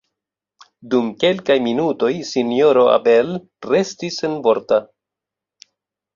Dum kelkaj minutoj Sinjoro Abel restis senvorta.